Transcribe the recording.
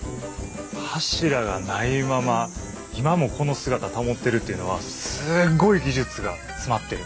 柱がないまま今もこの姿保ってるっていうのはすごい技術が詰まってる。